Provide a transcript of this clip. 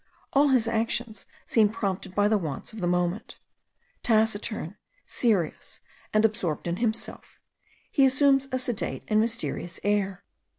All his actions seem prompted by the wants of the moment. Taciturn, serious, and absorbed in himself; he assumes a sedate and mysterious air.